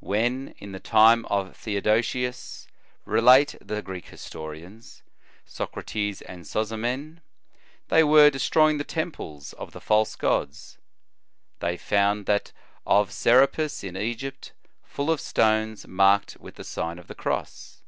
"When, in the time of Theodosius," relate the Greek historians, Socrates and Sozomen, " they were destroy ing the temples of the false gods, they found that of Serapis, in Egypt, full of stones marked with the Sign of the Cross.